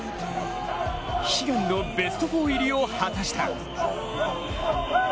悲願のベスト４入りを果たした。